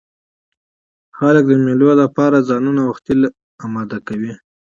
خلک د مېلو له پاره ځانونه وختي لا اماده کوي.